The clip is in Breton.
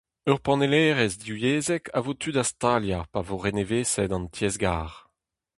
Ur panellerezh divyezhek a vo tu da staliañ pa vo renevesaet an tiez-gar.